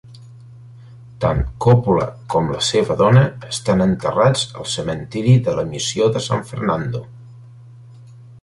Tant Coppola com la seva dona estan enterrats al cementiri de la Missió de San Fernando.